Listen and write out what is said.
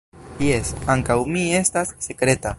Jes, ankaŭ mi estas sekreta.